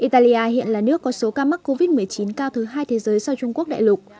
italia hiện là nước có số ca mắc covid một mươi chín cao thứ hai thế giới sau trung quốc đại lục